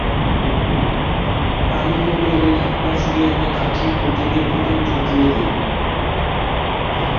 পানি কমে এলে ঢাকনা সরিয়ে একটা কাঠি পুডিংয়ের ভেতরে ঢুকিয়ে দিন।